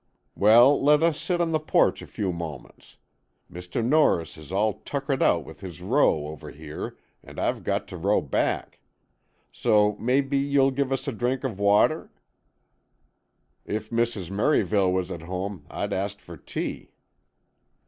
"Well, let us sit on the porch a few moments. Mr. Norris is all tuckered out with his row over here, and I've got to row back. So, maybe you'll give us a drink of water; if Mrs. Merivale was at home, I'd ask for tea."